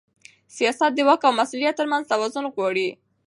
سیاست د واک او مسؤلیت ترمنځ توازن غواړي